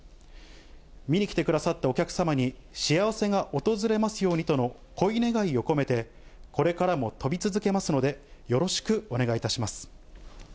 見に来てくださったお客様に幸せが訪れますようにとのこい願いを込めて、これからもとび続けますので、よろしくお願いいたします。